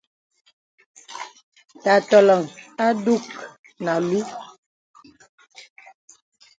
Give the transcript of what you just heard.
Tā tɔləŋ a dùk nə àlùù.